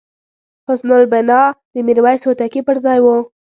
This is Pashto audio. حسن البناء د میرویس هوتکي پرځای وو.